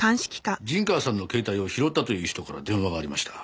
陣川さんの携帯を拾ったという人から電話がありました。